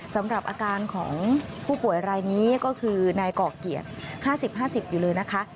สำหรับอาการของผู้ป่วยรายนี้ก็คือนายก่อเกียรติ๕๐๕๐อยู่เลยนะคะ